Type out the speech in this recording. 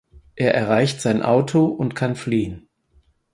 Er erreicht sein Auto und kann fliehen.